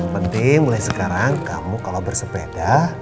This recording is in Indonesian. penting mulai sekarang kamu kalau bersepeda